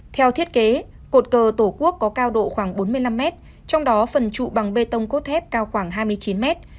theo thiết kế cột cờ tổ quốc có cao độ khoảng bốn mươi năm mét trong đó phần trụ bằng bê tông cốt thép cao khoảng hai mươi chín mét